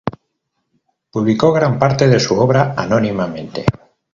Publicó gran parte de su obra anónimamente.